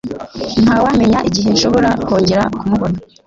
Ntawamenya igihe nshobora kongera kumubona.